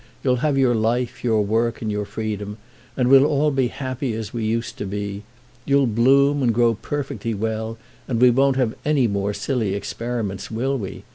You'll have your life, your work and your freedom, and we'll all be happy as we used to be. You'll bloom and grow perfectly well, and we won't have any more silly experiments, will we?